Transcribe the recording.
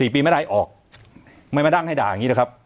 ๔ปีไม่ได้ออกไม่มาดังให้ด่ายังงี้แหละครับ